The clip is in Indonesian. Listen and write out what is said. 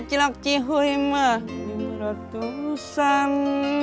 cilok cihoyama lima ratusan